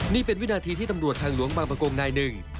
นี่เป็นวินาทีที่ตำรวจทางหลวงบางประกงนายหนึ่ง